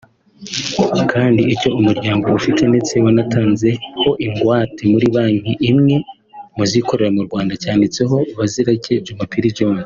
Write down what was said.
kandi icyo umuryango ufite ndetse wanatanzeho ingwate muri banki imwe mu zikorera mu Rwanda cyanditseho Bazirake Jumapili John